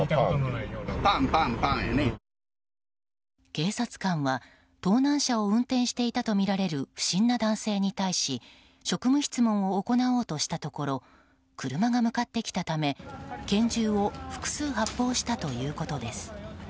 警察官は盗難車を運転していたとみられる不審な男性に対し職務質問を行おうとしたところ車が向かってきたため、拳銃を複数発砲したということです。